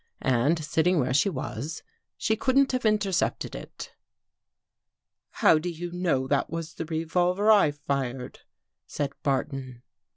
And sitting where she was, she couldn't have intercepted it." " How do you know that was the revolver I fired?" said Barton.